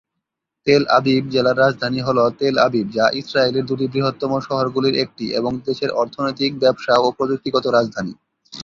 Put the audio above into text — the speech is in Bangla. তেল আবিব জেলার রাজধানী হলো তেল আবিব যা ইসরায়েলের দুটি বৃহত্তম শহরগুলির একটি এবং দেশের অর্থনৈতিক, ব্যবসা ও প্রযুক্তিগত রাজধানী।